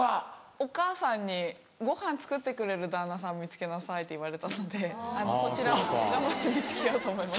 お母さんに「ごはん作ってくれる旦那さん見つけなさい」って言われたのでそちらを頑張って見つけようと思います。